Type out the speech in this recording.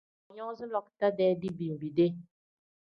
Boonyoozi lakuta-dee dibimbide.